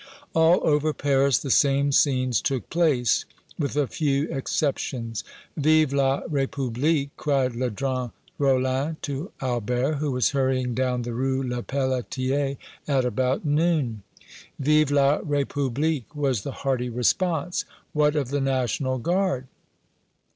All over Paris the same scenes took place, with a few exceptions. "Vive la République!" cried Ledru Rollin to Albert, who was hurrying down the Rue Lepelletier, at about noon. "Vive la République!" was the hearty response. "What of the National Guard?"